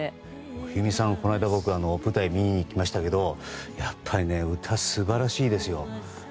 冬美さん、この間僕、舞台を見に行きましたがやっぱり歌、素晴らしいですよ。